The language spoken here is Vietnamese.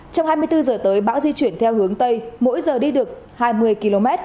trong hai mươi bốn h tới bão di chuyển theo hướng tây mỗi giờ đi được hai mươi km